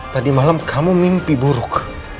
tadi malam kamu mimpi buruk